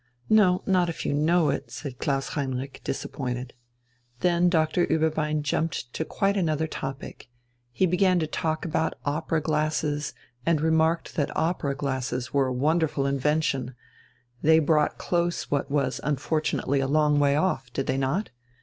"No, not if you know it," said Klaus Heinrich, disappointed. Then Doctor Ueberbein jumped to quite another topic. He began to talk about opera glasses, and remarked that opera glasses were a wonderful invention. They brought close what was unfortunately a long way off, did they not?